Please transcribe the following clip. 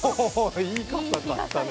いい傘買ったね。